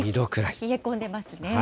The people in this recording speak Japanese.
冷え込んでますね。